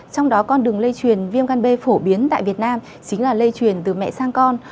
trong đó con đường lây truyền viêm gan b phổ biến tại việt nam chính là lây truyền từ mẹ sang con